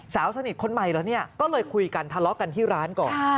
สาวสนิทคนใหม่เหรอเนี่ยก็เลยคุยกันทะเลาะกันที่ร้านก่อน